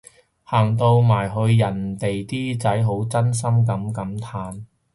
行到埋去人哋啲仔好真心噉感嘆